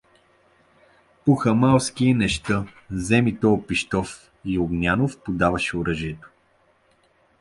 — По хамалски не ща; вземи тоя пищов. — И Огнянов подаваше оръжието.